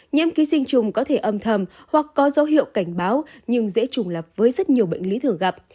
nhiễm ký sinh trùng có thể âm thầm hoặc có dấu hiệu cảnh báo nhưng dễ trùng lập với rất nhiều bệnh lý thường gặp